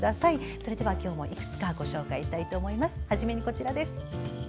それでは今日もいくつかご紹介したいと思います。